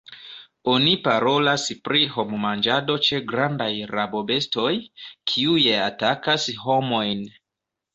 Oni parolas pri hom-manĝado ĉe grandaj rabobestoj, kiuj atakas homojn.